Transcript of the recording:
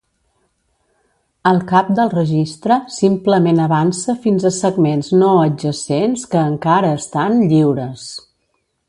El cap del registre simplement avança fins a segments no adjacents que encara estan lliures.